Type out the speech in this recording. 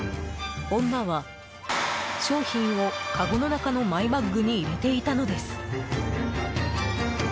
女は商品を、かごの中のマイバッグに入れていたのです。